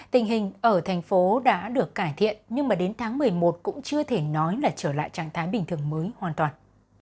tình hình ở tp hcm đã được cải thiện nhưng đến tháng một mươi một cũng chưa thể nói là trở lại trạng thái bình thường mới hoàn toàn